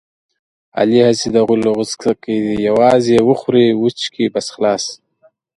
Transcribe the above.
علي هسې د غولو غوڅکی دی یووازې وخوري وچکي بس خلاص.